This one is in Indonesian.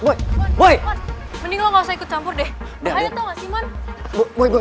mon mon mending lo gak usah ikut campur deh bahaya tau gak sih mon